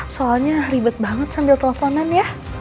soalnya ribet banget sambil teleponan ya